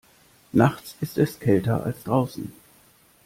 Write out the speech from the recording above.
Nachts ist es kälter als draußen.